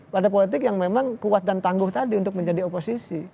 partai politik yang memang kuat dan tangguh tadi untuk menjadi oposisi